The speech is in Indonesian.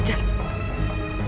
warriors atau finger menurutmu